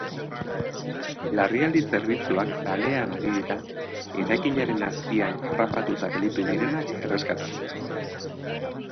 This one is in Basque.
Larrialdi zerbitzuak lanean ari dira eraikinaren azpian harrapatuta gelditu direnak erreskatatzeko.